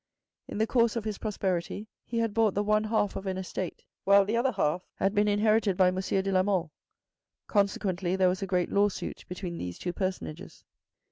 In the course of his prosperity, he had bought the one half of an estate, while the other half had been inherited by Monsieur de la Mole. Consequently there was a great lawsuit between these two personages.